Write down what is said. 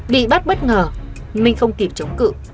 bị bắt bất ngờ minh không kịp chống cự